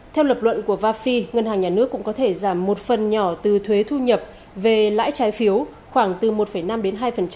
theo lập luận của vafi ngân hàng nhà nước cũng có thể giảm một phần nhỏ từ thuế thu nhập về lãi trái phiếu khoảng từ một năm đến hai